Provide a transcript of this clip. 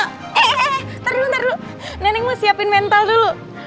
eh eh eh ntar dulu ntar dulu nenek mau siapin mental dulu